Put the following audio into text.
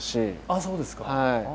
ああそうですか！